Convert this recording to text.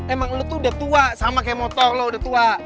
emang lu tuh udah tua sama kayak motor lo udah tua